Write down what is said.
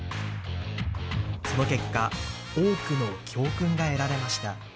その結果、多くの教訓が得られました。